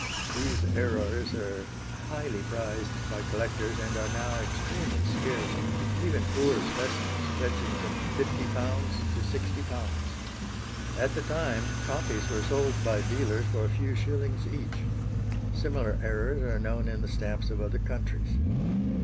These errors are highly prized by collectors, and are now extremely scarce, even poor specimens fetching from £50 to £60. At the time, copies were sold by dealers for a few shillings each. Similar errors are known in the stamps of other countries.